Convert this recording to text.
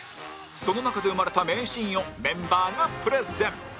その中で生まれた名シーンをメンバーがプレゼン